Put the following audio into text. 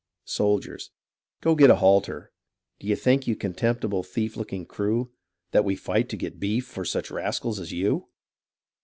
Soldiers Go get a halter ... D'ye think, you contemptible thief looking crew. That we fight to get beef for such rascals as you